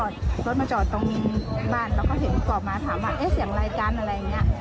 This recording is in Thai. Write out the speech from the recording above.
รถมาแล้วก็พอรถมาจอดรถมาจอดตรงบ้านแล้วก็เห็นกรอบมาถามว่าเอ๊ะเสียงไรกันอะไรอย่างเงี้ย